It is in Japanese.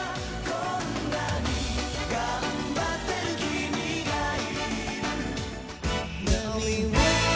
「こんなにがんばってる君がいる」